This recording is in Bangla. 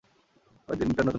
পরের দিনটা নতুন করে শুরু করি।